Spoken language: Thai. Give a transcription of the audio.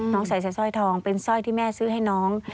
ใส่แต่สร้อยทองเป็นสร้อยที่แม่ซื้อให้น้อง